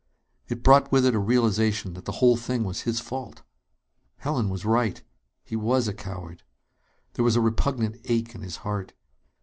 It brought with it a realization that the whole thing was his fault. Helen was right he was a coward. There was a poignant ache in his heart.